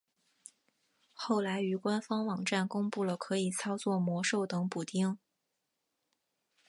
后来于官方网站公布了可以操作魔兽等补丁。